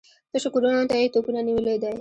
تشو کورونو ته يې توپونه نيولي دي.